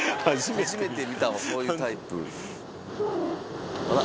初めて見たわこういうタイプ。